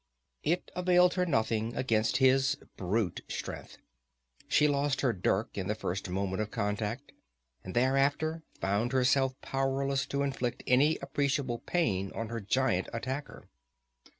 It availed her nothing against his brute strength. She lost her dirk in the first moment of contact, and thereafter found herself powerless to inflict any appreciable pain on her giant attacker.